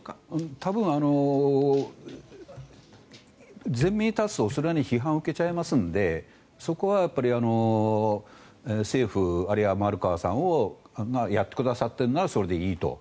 多分、前面に立つとそれなりに批判を受けちゃいますのでそこは政府あるいは丸川さんがやってくださっているならそれでいいと。